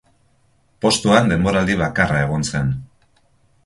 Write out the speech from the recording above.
Postuan denboraldi bakarra egon zen.